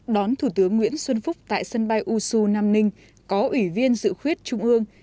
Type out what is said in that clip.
đón thủ tướng nguyễn xuân phúc tại sân bay usu nam ninh có ủy viên dự khuyết trung ương